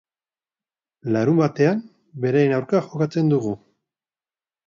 Larunbatean beraien aurka jokatzen dugu.